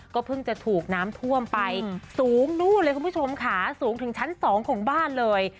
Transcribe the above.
เพิ่งจะถูกน้ำท่วมไปสูงนู่นเลยคุณผู้ชมค่ะสูงถึงชั้นสองของบ้านเลย